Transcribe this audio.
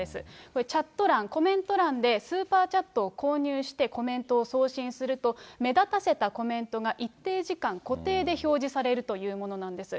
これ、チャット欄、コメント欄で、スーパーチャットを購入してコメントを送信すると、目立たせたコメントが一定時間固定で表示されるというものなんです。